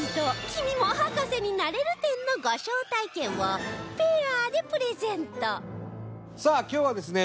「君も博士になれる展」のご招待券をペアでプレゼントさあ今日はですね